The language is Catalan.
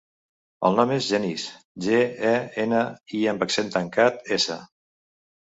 El nom és Genís: ge, e, ena, i amb accent tancat, essa.